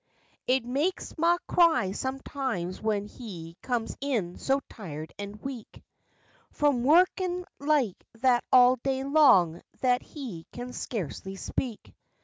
It makes ma cry sometimes when he comes in so tired and weak From workin' like that all day long that he can scarcely speak.